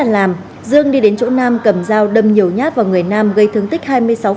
trong lúc nhậu giữa nam dương đi đến chỗ nam cầm dao đâm nhiều nhát vào người nam gây thương tích hai mươi sáu